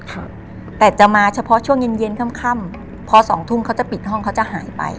ครับแต่จะมาเฉพาะช่วงเย็นเย็นค่ำค่ำพอสองทุ่มเขาจะปิดห้องเขาจะหายไป